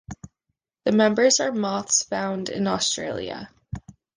The members are moths found in Australia.